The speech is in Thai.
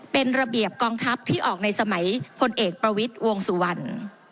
เป็นระเบียบกองทัพที่ออกในสมัยพลเอกประวิทย์วงสุวรรณ